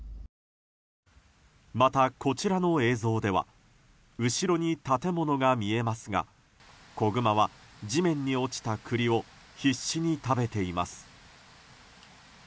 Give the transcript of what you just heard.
またこちらの映像では後ろに建物が見えますが子グマは地面に落ちた栗を必死に食べています。